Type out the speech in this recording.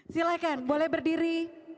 silakan boleh berdiri